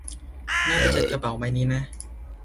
น่าไปจัดกระเป๋าใบนี้นะ